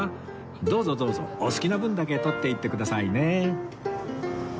どうぞどうぞお好きな分だけ撮っていってくださいね